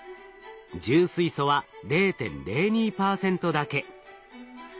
重水素は０．０２％だけ。